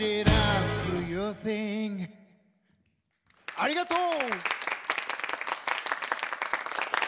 ありがとう！